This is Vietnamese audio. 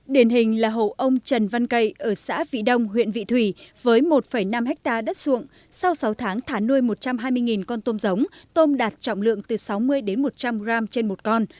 điển hình là hộ ông trần văn cây ở xã vị đông huyện vị thủy với một năm hectare đất ruộng sau sáu tháng thả nuôi một trăm hai mươi con tôm giống tôm đạt trọng lượng từ sáu mươi đến một trăm linh g trên một con